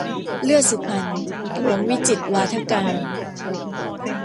เลือดสุพรรณ - หลวงวิจิตรวาทการ